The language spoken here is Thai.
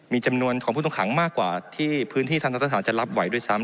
มีจำนวนของผู้ต้องขังมากกว่าที่พื้นที่ท่านรัฐฐานจะรับไหวด้วยซ้ำ